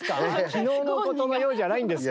きのうのことのようじゃないんですか。